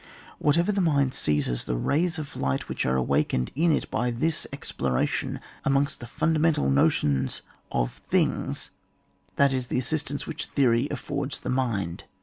Whatever the mind seizes, the rays of light which are awakened in it by this exploration amongst the fundamental notions of things, that is ths aasintance which Theory affords the mind.